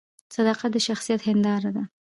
صداقت د شخصیت هنداره ده